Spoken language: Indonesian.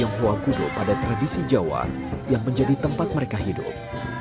tionghoa kudo pada tradisi jawa yang menjadi tempat mereka hidup